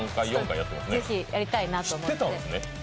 ぜひやりたいなと思って。